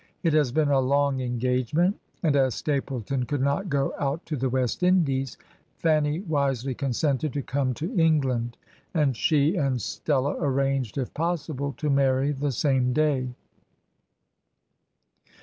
It has been a long engagement; and as Stapleton could not go out to the West Indies, Fanny wisely consented to come to England, and she and Stella arranged, if possible, to marry the same day."